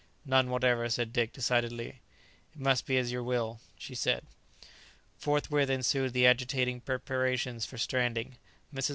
"None whatever," said Dick decidedly. "It must be as you will," she said. Forthwith ensued the agitating preparations for stranding. Mrs.